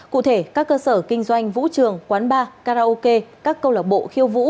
cụ thể các cơ sở kinh doanh vũ trường quán bar karaoke các câu lạc bộ khiêu vũ